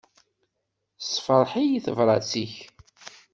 Tessefṛeḥ-iyi tebrat-ik.